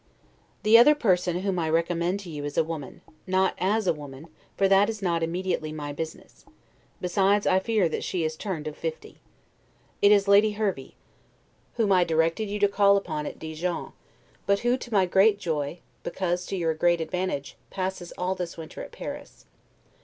The other person whom I recommended to you is a woman; not as a woman, for that is not immediately my business; besides, I fear that she is turned of fifty. It is Lady Hervey, whom I directed you to call upon at Dijon, but who, to my great joy, because to your great advantage, passes all this winter at Paris.